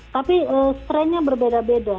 tapi strain nya berbeda beda